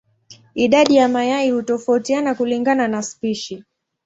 Idadi ya mayai hutofautiana kulingana na spishi.